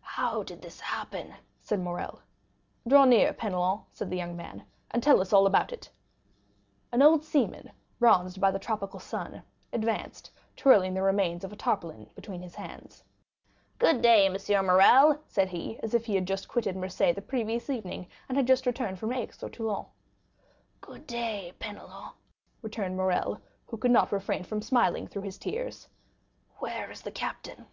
"How did this happen?" said Morrel. "Draw nearer, Penelon," said the young man, "and tell us all about it." An old seaman, bronzed by the tropical sun, advanced, twirling the remains of a hat between his hands. "Good day, M. Morrel," said he, as if he had just quitted Marseilles the previous evening, and had just returned from Aix or Toulon. "Good day, Penelon," returned Morrel, who could not refrain from smiling through his tears, "where is the captain?"